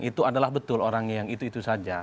itu adalah betul orangnya yang itu itu saja